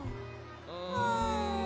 うん。